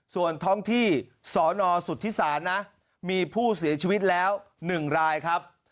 ส่วนท้องที่สนสุธิศาลนะมีผู้เสียชีวิตแล้ว๑รายครับ